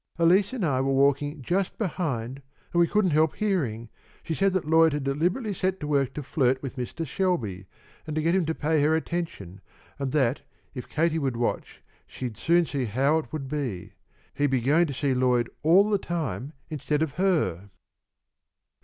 Elise and I were walking just behind, and we couldn't help hearing. She said that Lloyd had deliberately set to work to flirt with Mr. Shelby, and get him to pay her attention, and that, if Katie would watch, she'd soon see how it would be. He'd be going to see Lloyd all the time instead of her."